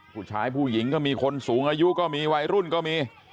ผู้หญิงก็มีคนสูงอายุก็มีวัยรุ่นก็มี